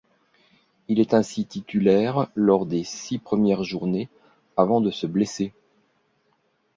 Il est ainsi titulaire lors des six premières journées, avant de se blesser.